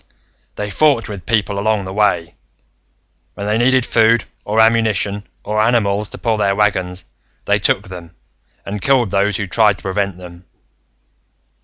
"They fought with people along the way. When they needed food, or ammunition, or animals to pull their wagons, they took them, and killed those who tried to prevent them.